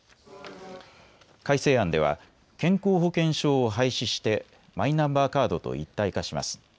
改正案では健康保険証を廃止してマイナンバーカードと一体化します。